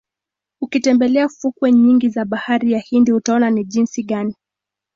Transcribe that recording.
Ukitembelea fukwe nyingi za Bahari ya Hindi utaona ni jisi gani